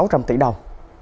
rạch xuyên tâm